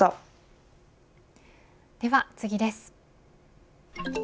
では次です。